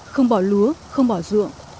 không bỏ lúa không bỏ ruộng